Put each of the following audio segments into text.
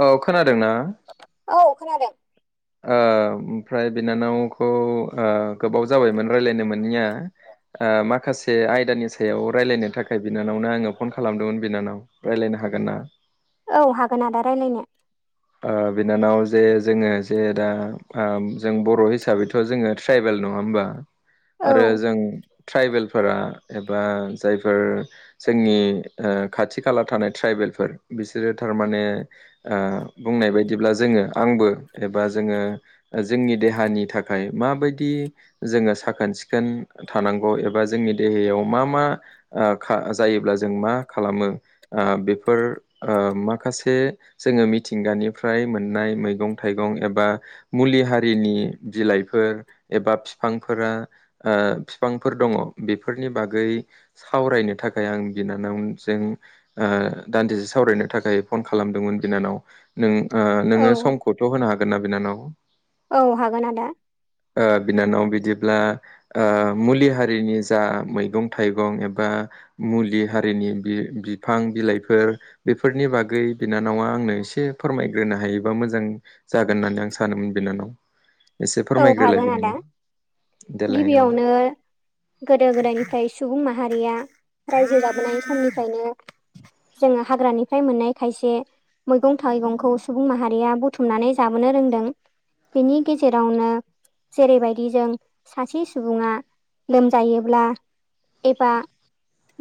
औ खोनादों ना औ खोनादों ओमफ्राय बिनानावखौ गोबाव जाबायमोन राय्लायनो मोनैया माखासे आयदानि सायाव रायलायनो थाखाय बिनानावनो आङो फन खालामदोंमोन बिनानाव रायज्लायनो हागोन ना औ हागोन आदा रायज्लायनो बिनानाव जे जोङो जे दा जों बर' हिसाबैथ' जोङो ट्राइबेल नङा होमबा आरो औ जों ट्राइबेल फोर एबा जायफोर जोंनि खाथि खाला थानाय ट्राइबेलफोर बिसोरो थारमाने बुंनाय बायदिब्ला जोङो आंबो एबा जोङो जोंनि देहानि थाखाय माबायदि जोङो साखोन सिखोन थानांगौ एबा जोंनि देहायाव मा मा जायोब्ला जों मा खालामो ओ बेफोर ओ माखासे जोङो मि मिथिंगानिफ्राय मोननाय मैगं थाइगं एबा मुलि हारिनि बिलाइफोर एबा बिफांफोरा ओ बिफांफोर दङ, बेफोरनि बागै सावरायनो थाखाय आं बिनानावजों दान्दिसे सावरायनो थाखाय फन खालामदोंमोन बिनानाव नों औ नोङो समखौथ' होनो हागोन ना बिनानाव औ हागोन आदा बिनानाव बिदिब्ला मुलि हारिनि जा मैगं थाइगं एबा मुलि हारिनि बिफां बिलाइफोर बेफोरनि बागै बिनानावा आंनो एसे एसे फोरमायग्रोनो हायोबा मोजां जागोन होननानै आं सानोमोन बिनानाव। एसे औ फोरमायग्रोलाय हागोन आदा बेनिनो। गिबियावनो गोदो गोदायनिफ्राय सुबुं माहारिया रायजो जाबोनाय समनिफ्रायनो जोङो हाग्रानिफ्राय मोननाय खायसे मैगं थाइगंखौ सुबुं माहारिया बुथुमनानै जाबोनो रोंदों। बेनि गेजेरावनो जेरैबायदि जों सासे सुबुङा लोमजायोब्ला एबा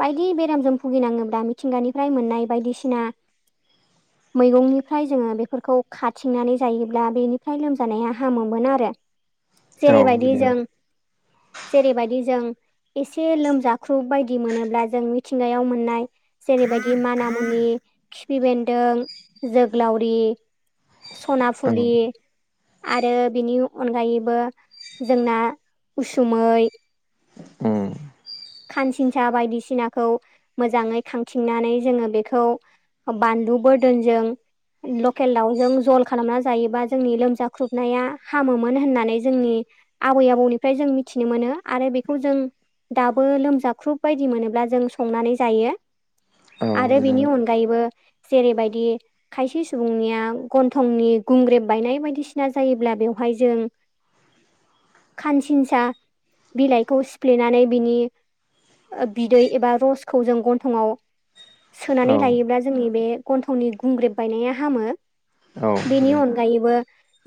बायदि बेरामजों भुगिनाङोब्ला मिथिंगानिफ्राय मोननाय बायदिसिना मैगंनिफ्राय जोङो बेफोरखौ खाथिंनानै जायोब्ला बेनिफ्राय लोमजानाया हामोमोन आरो। औ जेरैबायदि जों बिनानाव जेरैबायदि जों एसे लोमजाख्रुब बायदि मोनोब्ला जों मिथिंगायाव मोननाय जेरैबायदि माना मुनि, खिफि बेन्दों, जोग्लावरि सना औ फुलि आरो बिनि अनगायैबो जोंना उसुमै उम। खानसिनसा बायदिसिनाखौ मोजाङै खांथिंनानै जोङो बेखौ बानलु बोरदोनजों लकेल दाावजों जल खालामना जायोबा जोंनि लोमजाख्रुबनाया हामोमोन होननानै जोंनि आबै आबौनिफ्राय जों मिथिनो मोनो आरो बेखौ जों बो लोमजाख्रुब बादि मोनोब्ला जों संनानै जायो औ आरो बेनि बिनानाव अन गायैबो जेरैबायदि खायसे सुबुंनिया गन्थंनि गुंग्रेब बायनाय बायदिसिना जायोब्ला बेवहाय जों खानसिनसा बिलाइखौ सिफ्लेनानै बिनि बिदै एबा रसखौ जों गन्थंआव औ सोनानै लायोब्ला जोंनि बे गन्थंनि गुंग्रेब बायनाया हामो। औ बेनि अनगायैबो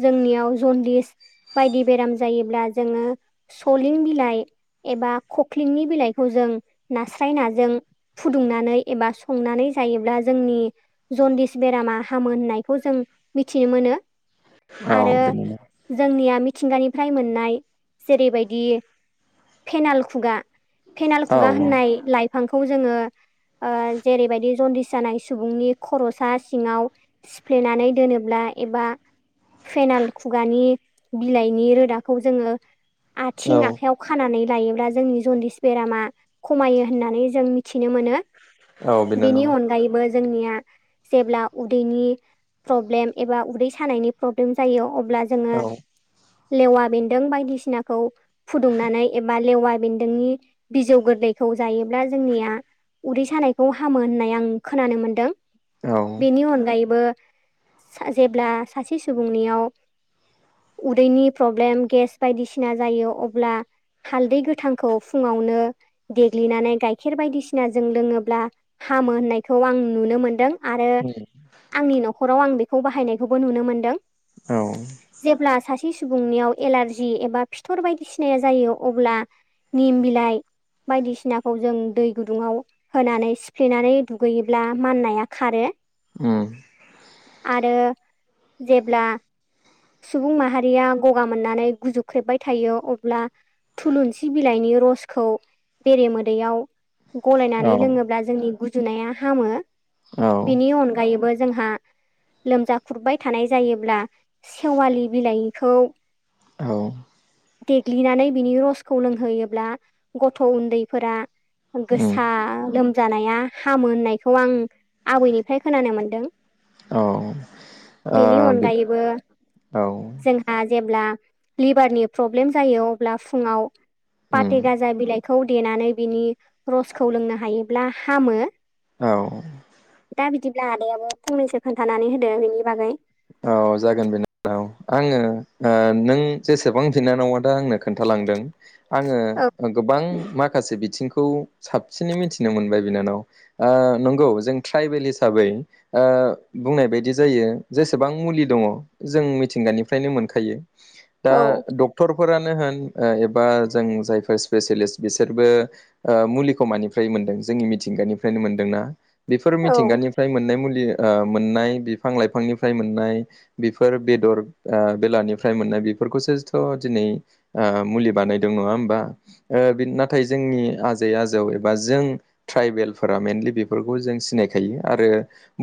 जोंनियाव जन्दिस बायदि बेराम जायोब्ला जोङो सलिं बिलाइ एबा खख्लिंनि बिलाइखौ जों नास्राय नाजों फुदुंनानै एबा संनानै जायोब्ला जोंनि जनदिस बेरामा हामो होननायखौ जों मिथिनो मोनो। औ आरो बिनिनो जोंनिया मिथिंगानिफ्राय मोननाय जेरैबायदि फेनाल खुगा फेनाल खुगा होननाय लाइ बिफांखौ जोङो ओ जेरैबायदि जन्दिस जानाय सुबुंनि खर'सा सिङाव सिफ्लेनानै दोनोब्ला एबा फेनाल खुगानि बिलाइनि रोदाखौ जोङो औ बिनानाव औ आथिं आखायाव खानानै लायोब्ला जोंनि जनदिस बेरामा खमायो होननानै जों मिथिनो मोनो। औ बेनि बिनानाव अनगायैबो जोंनिया जेब्ला उदैनि प्रब्लेम एबा उदै सानायनि प्रब्लेम जायो अब्ला जोङो औ लेवा बेन्दों बायदिसिनाखौ फुदुंनानै एबा लेवा बेन नोंनि बिजौ गोरलैखौ जायोब्ला जोंनिया उदै सानायखौ हामो होननाय आं खोनानो मोनदों औ बेनि अनगायैबो फां जेब्ला सासे सुबुंनियाव उदैनि प्रब्लेम गेस बायदिसिना जायो अब्ला हालदै गोथां खौ फुङावनो देग्लिनानै गाइखेर बायदिसिनाजों लोङोब्ला हामो होननायखौ आं नुनो मोनदों आरो आंनि न'खराव आं बेखौ बाहायनायखौबो नुनो मोनदों। औ जेब्ला सासे सुबुंनियाव एलारजि एबा फिथर बायदिसिनाया जायो अब्ला निम बिलाइ बायदिसिनाखौ जों दै गुदुङाव होनानै सिफ्लेनानै दुगैयोब्ला माननाया खारो। उम आरो जेब्ला सुबुं माहारिया गगा मोननानै गुजुख्रेबबाय थायो अब्ला थुलुंसि बिलाइनि रसखौ बेरेमोदैयाव औ गलायनानै लोङोब्ला जोंनि गुजुनाया हामो औ बिनि अनगायैबो जोंहा लोमजा खुरबाय थानाय जायोब्ला सेवालि बिलाइखौ औ देग्लिनानै बिनि रसखौ लोंहोयोब्ला गथ' उन्दैफोरा उम गोसा लोमजानाया हामो होननायखौ आं आबैनिफ्राय खोनानो मोन्दों। औ ओ बेनि बि अनगायैबो औ जोंहा जेब्ला लिभारनि प्रब्लेम जायो अब्ला फुङाव उम पाथे गाजा बिलाइखौ देनानै बिनि रसखौ लोंनो हायोब्ला हामो। औ दा बिदिब्ला आदायाबो फंनैसो खोन्थानानै होदो बेनि बागै औ जागोन बिनानाव आङो नों जेसेबां बिनानावा दा आंनो खोन्थालांदों आङो औ गोबां मा माखासे बिथिंखौ साबसिनै मिथिनो मोनबाय बिनानाव नंगौ जों ट्राइबेल हिसाबै बुंनाय बायदि जायो जेसेबां मुलि दङ जों मिथिंगानिफ्रायनो मोनखायो दा औ द डक्टरफोरानो होन एबा जों जायफोर स्पेसियेलिस्ट बिसोरबो मुलिखौ मानिफ्राय मोनदों जोंनि मिथिंगानिफ्रायनो मोनदोंना बेफोर औ मिथिंगानिफ्राय मोननाय मुलि मोननाय बिफां लाइफांनिफ्राय मोननाय बेफोर बेदर बेलानिफ्राय मोननाय बेफोरखौसोथ' दिनै मुलि बानायदों नङा होमबा नाथाय जोंनि आजै आजौ एबा जों ट्राइबेलफोरा मेनलि बेफोरखौ जों सिनायखायो आरो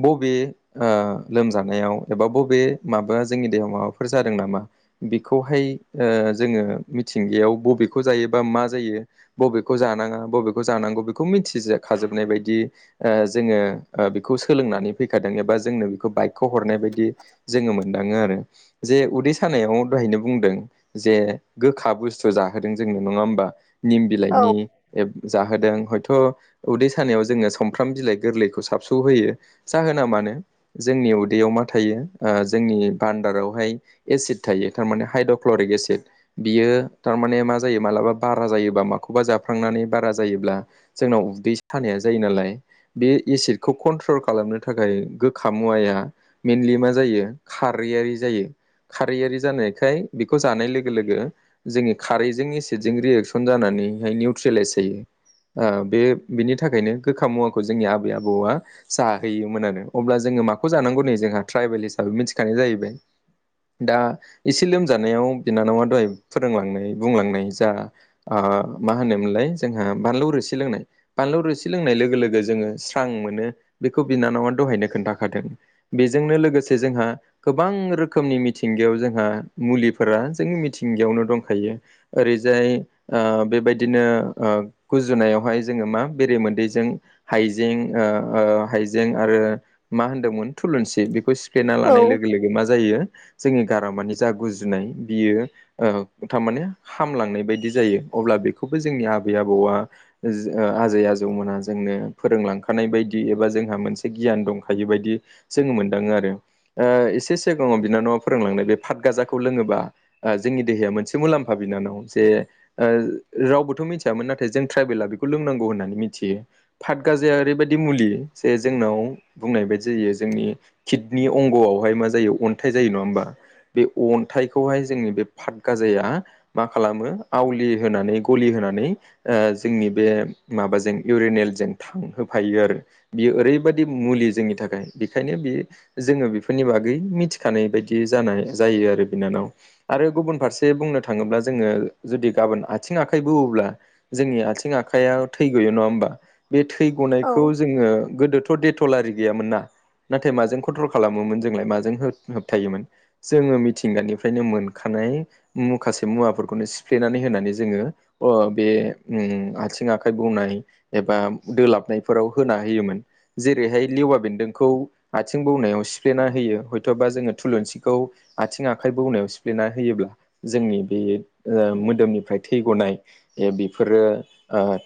बबे लोमजानायाव एबा बबे माबा जोंनि देहायाव माबाफोर जादों नामा बेखौहाय जोङो मिथिंगायाव बबेखौ जायो बा मा जायो बबेखौ जानाङा बबेखौ जानांगौ बेखौ मिथिजाखाजोबनाय बायदि जोङो बेखौ सोलोंनानै फैखादों एबा जोंनो बेखौ बाइकखौ हरनाय बायदि जोङो मोनदाङो आरो जे उदै सानायाव दहायनो बुंदों जे गोखा बुस्थु जाहोदों जोंनो नङा होमबा निम औ बिलाइनि जाहोदों हयथ' उदै सानायाव जोङो समफ्राम बिलाइ गोरलैखौ साबस' होयो जाहोना मानो जोंनि उदैयाव मा थायो जोंनि बान्दारावहाय एसिड थायो थारमाने हाइद्र'क्ल'रिक एसिड बियो थारमाने मा जायो मालाबा बारा जायोबा माखौबा जाफ्लांनानै बारा जायोब्ला जोंनाव उदै सानाया जायो नालाय बे एसिडखौ कन्ट्रल खालामनो थाखाय गोखा मुवाया मेनलि मा जायो खारैयारि जायो खारैयारि जानायखाय बेखौ जानाय लोगो लोगो जोंनि खारैजों एसिटजों रियेक्सन जानानैहाय निउट्रेलाइस जायो। बे बिनि थाखायनो गोखा मुवाखौ जोंनि आबै आबौआ जाहैयोमोन आरो अब्ला जोङो माखौ जानांगौ नै जोंहा ट्राइबेल हिसाबै मिथिखानाय जाहैबाय दा एसे लोमजानायाव बिनानावा दहाय फोरोंलांनाय बुंलांनाय जा ओ मा होनोमोनलाय जोंहा बानलु रोसि लोंनाय बानलु रोसि लोंनाय लोगो लोगो जोङो स्रां मोनो बेखौ बिनानावा दहायनो खोन्थाखादों बेजोंनो लोगोसे जोंहा गोबां रोखोमनि मिथिंगायाव जोंहा मुलिफोरा जोंनि मिथिंगायावनो दंखायो ओरैजाय बेबायदिनो गुजुनायावहाय जोङो मा बेरेमोदैजों हाइजें हाइजें आरो मा होनदोंमोन थुलुंसि बेखौ सिफ्लेना लानाय लोगो औ लोगो मा जायो जोंनि गाराव मानिे जा गुजुनाय बियो थारमाने हामलांनाय बायदि जायो अब्ला बेखौबो जोंनि आबै आबौआ आजै आजौमोनहा जोंनो फोरोंलांखानाय बायदि एबा जोंहा मोनसे गियान दंखायो बायदि जोङो मोनदाङो आरो एसे सिगाङाव बिनानावा फोरोंलांनाय बे फतगाजाखौ लोङोबा जोंनि देहाया मोनसे मुलाम्फा बिनानाव जे रावबोथ' मिथियामोन नाथाय जों ट्राइबेला बेखौ लोंनांगौ होननानै मिथियो पाद गाजाया ओरैबायाददि मुलि जे जोंनाव बुंनाय बायदि जायो जोंनि किडनि अंग'आवहाय मा जायो अन्थाइ जायो नङा होमबा बे अन्थाइखौहाय जोंनि बे फाादगाजाया मा खालामो आवलि होनानै गलि होनानै जोंनि बे माबाजों इउरिनेलजों थांहोफायो आरो बियो ओरैबायादि मुलि जोंनि थाखाय बेखायनो बे जोङो बेफोरनि बागै मिथिखानाय बायदि जानाय जायो आरो बिनानाव आरो गुबुन फारसे बुंनो थाङोब्ला जोङो जुदि गाबोन आथिं आखाइ बुओब्ला जोंनि आथिं आखाइया थै गैयो नङा होमबा बे थै गनायखौ जोङो गोदोथ' डेथलारि गैयामोन ना नाथाय माजों कन्ट्रल खालामोमोन जोंलाय माजों होबथायोमोन जोङो मिथिंगानिफ्रायनो मोनखानाय माखासे मुवाफोरखौनो सिफ्लेनानै होनानै जोङो अ बे आथिं आखाइ बुंनाय एबा दोलाबनायफोराव होना होयोमोन जेरैहाय लेवा बेन्दोंखौ आथिं बौनायाव सिफ्लेना होयो हयथ'बा जोङो थुलुंसिखौ आथिं आखाइ बौनायाव सिफ्लेना होयोब्ला जोंनि बे मोदोमनिफ्राय थै गनाय बेफोरो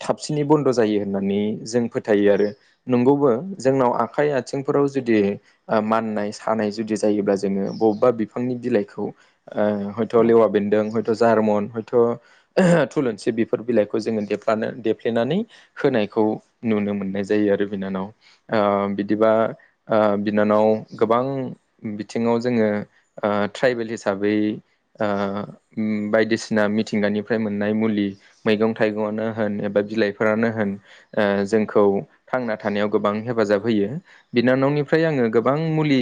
थाबसिनै बन्द' जायो होननानै जों फोथायो आरो नंगौबो जोंनाव आखाइ आथिं फोराव जुदि माननाय सानाय जुदि जायोब्ला जोङो बबेबा बिफांनि बिलाइखौ हयथ' लेवा बेन्दों हयथ' जार्मन हयथ' थुलुंसि बेफोर बिलाइखौ जोङो देलानो देफ्लेनानै होनायखौ नुनो मोननाय जायो आरो बिनानाव बिदिबा बिनानाव गोबां बिथिङाव जोङो ट्राइबेल हिसाबै बायदिसिना मिथिंगानिफ्राय मोननाय मुलि मैगं थाइगंआनो होन एबा बिलाइफोरानो होन ओ जोंखौ थांना थानायाव गोबां हेफाजाब होयो बिनानावनिफ्राय आङो गोबां मुलि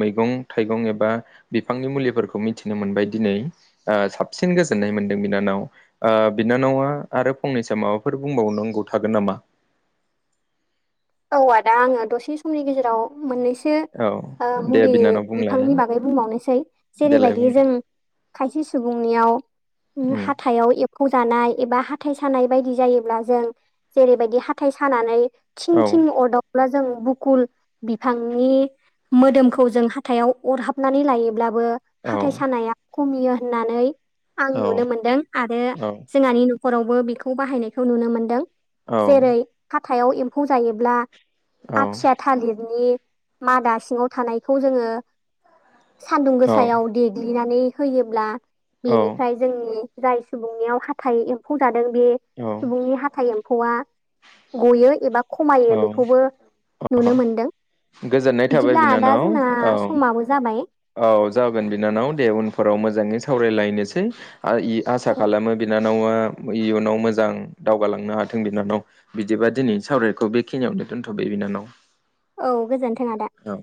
मैगं थाइगं एबा बिफांनि मुलिफोरखौ मिथिनो मोनबाय दिनै ओ साबसिन गोजोननाय मोनदों बिनानाव बिनानावा आरो फंनैसो माबाफोर बुंबावनांगौ थागोन नामा औ आदा आङो दसे समनि गेजेराव मोननैसो औ दे मुलि बिनानाव बुंलाय बिफांनि बागै बुंबावनोसै देलाय जेरैबायदि बुं जों खायसे सुबुंनियाव हाथ उम हाथाइाव एब्फौ जानाय एबा हाथाय सानाय बायदि जायोब्ला जों जेरैबायदि हाथाय सानानै थिं औ थिं अरदक ब्ला जों बुकुल बिफांनि मोदोमखौ जों हाथायाव अरहाबनानै लायोब्लाबो औ हाथाइ सानाया खमियो होननानै आं औ नुनो मोनदों आरो औ जोंहानि हरावबो बेखौ बाहायनायखौ नुनो मोनदों औ जेरै हाथाइयाव एम्फौ जायोब्ला औ आथिया थालिरनि मादा सिङाव थानायखौ जोङो सान्दुं गोसायाव देग्लिनानै होयोब्ला औ बेनिफ्राय। जोंनि जाय सुबुंनियाव हाथाइ एम्फौ जादों बे औ सुबुंनि हाथाइ एमफौ। एम्फौआ गयो एबा खमायो औ बेखौबो। नुनो मोनदों गोजोननाय थाबाय बिदिब्ला दा बिनानाव जोंना औ समाबो जाबाय। औ जागोन बिनानाव दे उनफोराव मोजाङै सावरायलायनोसै आसा खालामो बिनानाव। बिनानावा इयुनाव मोजां दावगालांनो हाथों बिनानाव बिदिबा दिनै सावराय। खौ बेखिनियावनो दोनथ' बिनानाव। औ गोजोन्थों आदा। औ